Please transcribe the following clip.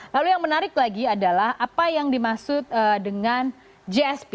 lalu yang menarik lagi adalah apa yang dimaksud dengan gsp